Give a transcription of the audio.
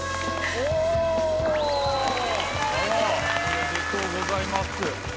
おめでとうございます。